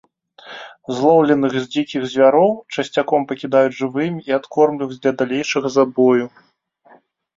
Злоўленых дзікіх звяроў часцяком пакідаюць жывымі і адкормліваюць для далейшага забою.